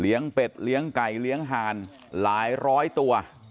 เป็ดเลี้ยงไก่เลี้ยงห่านหลายร้อยตัว